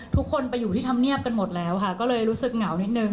ทุกคนไปอยู่ที่ธรรมเนียบกันหมดแล้วค่ะก็เลยรู้สึกเหงานิดนึง